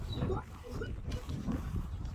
আমরা ভয় পেয়েছিলাম এবং এখন আমরা এর চিপায় পড়ে গেছি।